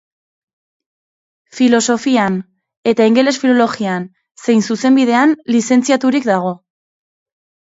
Filosofian eta ingeles filologian zein zuzenbidean lizentziaturik dago.